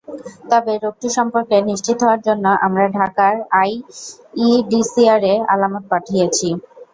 তবে রোগটি সম্পর্কে নিশ্চিত হওয়ার জন্য আমরা ঢাকার আইইডিসিআরে আলামত পাঠিয়েছি।